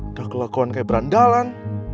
udah kelakuan kayak berandalan